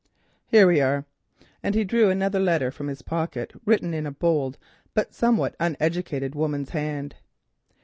"Here we are," and he drew a letter from his pocket written in a bold, but somewhat uneducated, woman's hand.